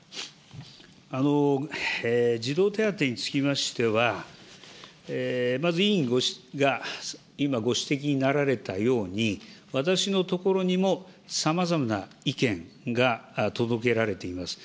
児童手当につきましては、まず委員が今ご指摘になられたように、私のところにもさまざまな意見が届けられています。